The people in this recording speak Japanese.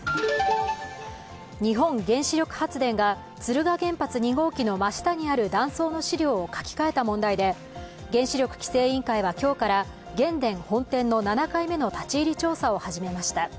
日本原子力発電が敦賀原発２号機の真下にある断層の資料を書き換えた問題で原子力規制委員会は今日から原電本店の７回目の立ち入り調査を始めました。